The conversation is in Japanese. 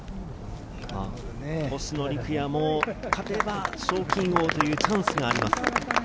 星野陸也も勝てば賞金王というチャンスがあります。